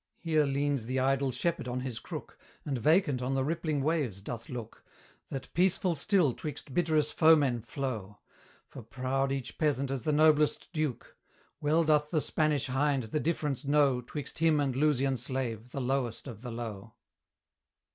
Here leans the idle shepherd on his crook, And vacant on the rippling waves doth look, That peaceful still 'twixt bitterest foemen flow: For proud each peasant as the noblest duke: Well doth the Spanish hind the difference know 'Twixt him and Lusian slave, the lowest of the low.